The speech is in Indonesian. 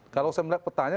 kalau saya melihat petanya